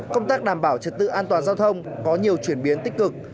công tác đảm bảo trật tự an toàn giao thông có nhiều chuyển biến tích cực